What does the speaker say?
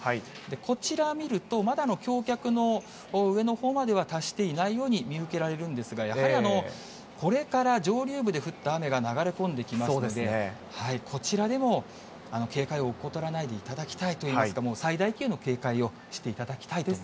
こちら、見るとまだ橋脚の上のほうまでは達していないように見受けられるんですが、やはりこれから上流部で降った雨が流れ込んできますので、こちらでも警戒を怠らないでいただきたいと言いますか、最大級の警戒をしていただきたいと思います。